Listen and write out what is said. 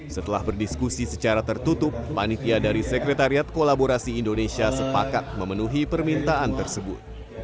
setelah berdiskusi secara tertutup panitia dari sekretariat kolaborasi indonesia sepakat memenuhi permintaan tersebut